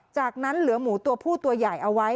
จากนั้นเหลือหมูตัวผู้ตัวใหญ่เอาไว้